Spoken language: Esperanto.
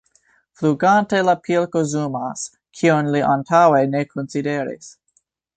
Flugante la pilko zumas, kion li antaŭe ne konsideris.